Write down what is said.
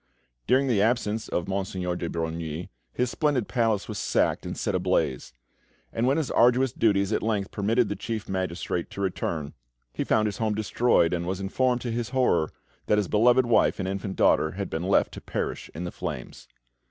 During the absence of Monseigneur de Brogni, his splendid palace was sacked, and set ablaze; and when his arduous duties at length permitted the Chief Magistrate to return, he found his home destroyed, and was informed, to his horror, that his beloved wife and infant daughter had been left to perish in the flames.